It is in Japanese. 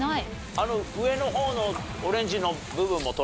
あの上の方のオレンジの部分も取れるの？